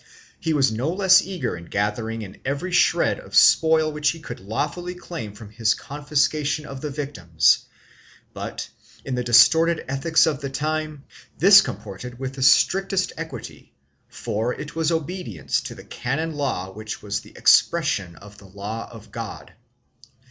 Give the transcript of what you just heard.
He was no less eager in gathering in every shred of spoil which he could lawfully claim from the confiscation of the victims, but, in the distorted ethics of the time, this comported with the strictest equity, for it was obedience to the canon law which was the expression of the law of God.